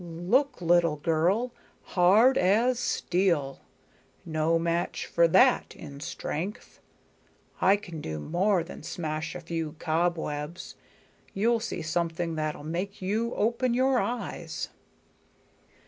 "Look, little girl. Hard as steel. No match for that in strength. I can do more than smash a few cobwebs. You'll see something that'll make you open your eyes."